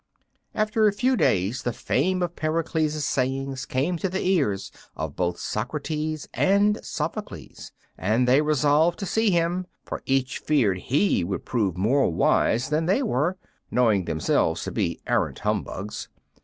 After a few days the fame of Pericles' sayings came to the ears of both Socrates and Sophocles, and they resolved to see him, for each feared he would prove more wise than they were, knowing themselves to be arrant humbugs.